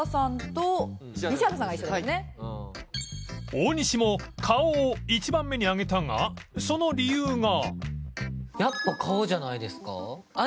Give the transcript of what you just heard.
大西も顔を１番目にあげたがその理由が